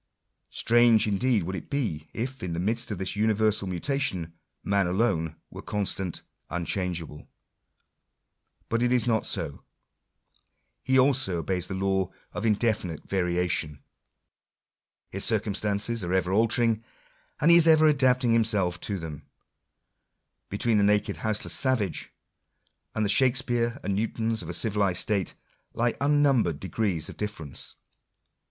Strange indeed would it be, if, in the midst of this universal mutation, man alone were constant, unchangeable. But it is not so. He also obeys the law of indefinite variation. His circumstances are ever altering ; and he is ever adapting him self to them. Between the naked houseless savage, and the Shakspeare8 and Newtons of a civilized state, lie unnumbered degrees of difference.